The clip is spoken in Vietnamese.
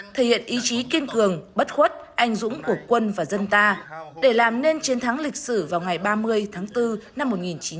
thể hiện ý chí kiên cường bất khuất anh dũng của quân và dân ta để làm nên chiến thắng lịch sử vào ngày ba mươi tháng bốn năm một nghìn chín trăm bảy mươi năm